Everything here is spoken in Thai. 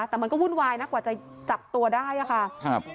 แต่มันก็วุ่นวายนะกว่าจะจับตัวได้ค่ะครับ